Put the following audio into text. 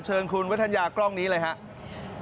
เชิญคุณวิทยากล้องนี้เลยครับ